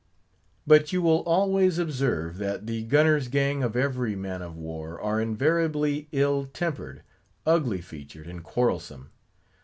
But you will always observe, that the gunner's gang of every man of war are invariably ill tempered, ugly featured, and quarrelsome.